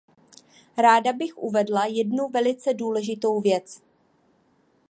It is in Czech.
Ráda bych uvedla jednu velice důležitou věc.